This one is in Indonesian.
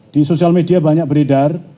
di sosial media banyak beredar